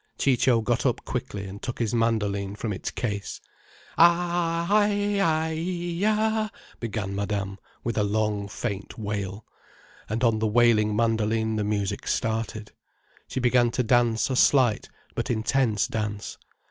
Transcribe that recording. Ciccio got up quickly and took his mandoline from its case. "A—A—Ai—Aii—eee—ya—" began Madame, with a long, faint wail. And on the wailing mandoline the music started. She began to dance a slight but intense dance.